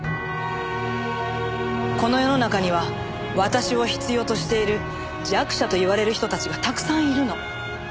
この世の中には私を必要としている弱者といわれる人たちがたくさんいるの。